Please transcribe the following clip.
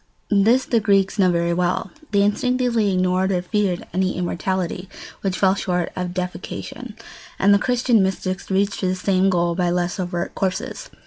This the Greeks knew very well. They instinctively ignored or feared any immortality which fell short of deification; and the Christian mystics reached the same goal by less overt courses.